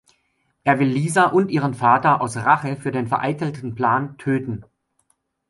Er will Lisa und ihren Vater aus Rache für den vereitelten Plan töten.